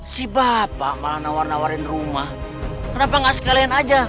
si bapak malah nawarin rumah kenapa nggak sekalian saja